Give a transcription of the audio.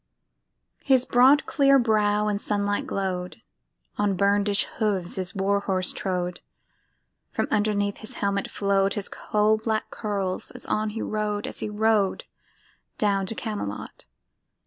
His broad clear brow in sunlight glow'd; On burnish'd hooves his war horse trode; From underneath his helmet flow'd His coal black curls as on he rode, As he rode down to Camelot.